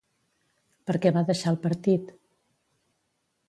Per què va deixar el partit?